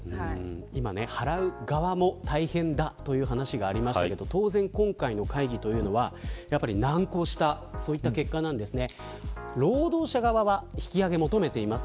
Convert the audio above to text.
今、払う側も大変だという話がありましたけれども当然、今回の会議というのはやはり難航したそういった結果なんですね。